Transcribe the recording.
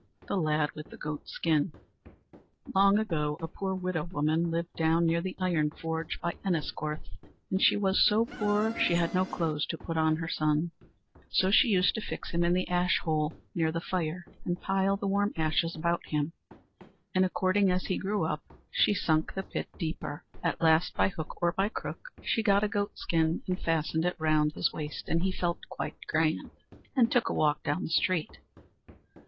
The Lad with the Goat skin Long ago a poor widow woman lived down near the iron forge, by Enniscorth, and she was so poor she had no clothes to put on her son; so she used to fix him in the ash hole, near the fire, and pile the warm ashes about him; and according as he grew up, she sunk the pit deeper. At last, by hook or by crook, she got a goat skin, and fastened it round his waist, and he felt quite grand, and took a walk down the street.